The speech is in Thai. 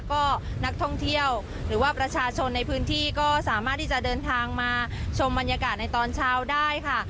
ก็นักท่องเที่ยวหรือว่าประชาชนในพื้นที่ก็สามารถที่จะเดินทางมาชมบรรยากาศในตอนเช้าได้ค่ะ